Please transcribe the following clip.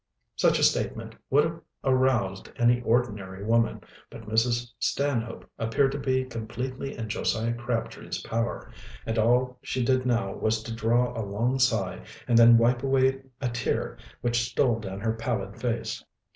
Such a statement would have aroused any ordinary woman, but Mrs. Stanhope appeared to be completely in Josiah Crabtree's power, and all she did now was to draw a long sigh and then wipe away a tear which stole down her pallid face.